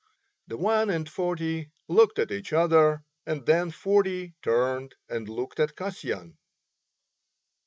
The one and forty looked at each other, and then forty turned and looked at Kasyan.